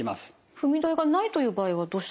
踏み台がないという場合はどうしたらいいですか？